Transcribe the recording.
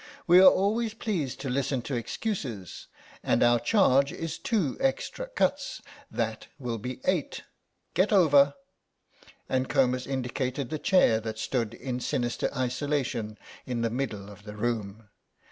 "We are always pleased to listen to excuses, and our charge is two extra cuts. That will be eight. Get over." And Comus indicated the chair that stood in sinister isolation in the middle of the room.